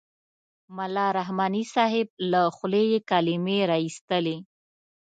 ملا رحماني صاحب له خولې یې کلمې را اېستلې.